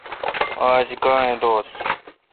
آج گاں اے° دوس؟